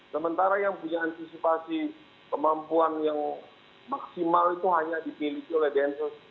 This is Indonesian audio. sementara yang punya antisipasi kemampuan yang maksimal itu hanya dipilih oleh densus